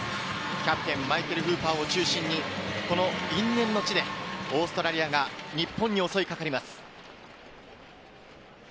キャプテン、マイケル・フーパーを中心に、因縁の地でオーストラリアが日本に襲いかかります。